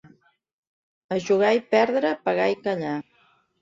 A jugar i perdre, pagar i callar.